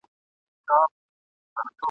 ما خو ویل چي نه را ګرځمه زه نه ستنېږم ..